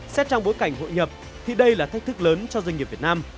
xét trong bối cảnh hội nhập thì đây là thách thức lớn cho doanh nghiệp việt nam